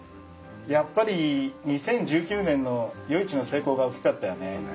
やっぱり２０１９年の夜市の成功が大きかったよね。